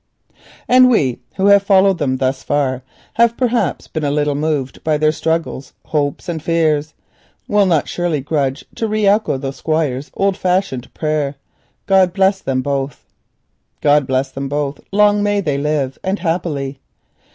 And we, who have followed them thus far, and have perhaps been a little moved by their struggles, hopes, and fears, will surely not grudge to re echo the Squire's old fashioned prayer, "God bless them both." God bless them both. Long may they live, and happily.